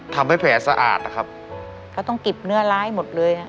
ทำให้แผลสะอาดนะครับก็ต้องเก็บเนื้อร้ายหมดเลยอ่ะ